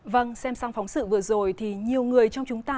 vâng xem sang phóng sự vừa rồi thì nhiều người trong chúng ta